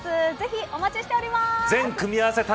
ぜひお待ちしております。